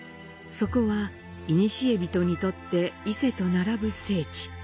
そこは、いにしえ人にとって伊勢と並ぶ聖地。